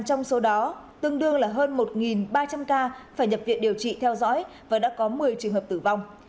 trong số đó tương đương là hơn một ba trăm linh ca phải nhập viện điều trị theo dõi và đã có một mươi trường hợp tử vong